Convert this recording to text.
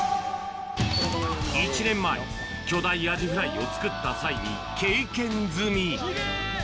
１年前、巨大アジフライを作った際に経験済み。